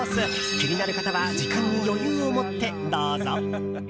気になる方は時間に余裕をもってどうぞ。